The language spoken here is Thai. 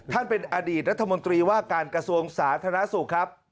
ท่านเป็นอดีตรัฐมนตรีว่าการกระทรวงสาธารณสุขครับ